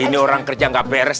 ini orang kerja gak beres